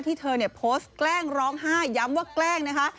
เธอเนี่ยโพสต์แกล้งร้องไห้ย้ำว่าแกล้งนะคะ